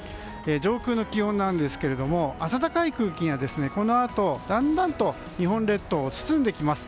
上空の気温ですが暖かい空気が、このあとだんだんと日本列島を包んできます。